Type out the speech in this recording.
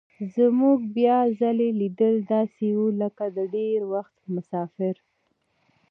زموږ بیا ځلي لیدل داسې وو لکه د ډېر وخت مسافر.